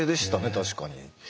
確かに。